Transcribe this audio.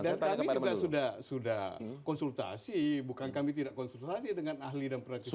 dan kami juga sudah konsultasi bukan kami tidak konsultasi dengan ahli dan praktisi hukum